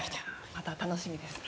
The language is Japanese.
また楽しみですね。